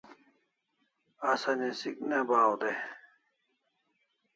Asa nisik ne bahaw dai